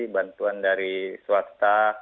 bantuan dari swasta